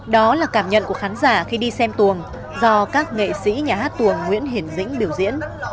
đó là cảm nhận của khán giả khi đi xem tuồng do các nghệ sĩ nhà hát tuồng nguyễn hiển dĩnh biểu diễn